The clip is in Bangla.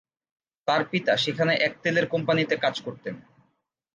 তার পিতা সেখানে এক তেলের কোম্পানিতে কাজ করতেন।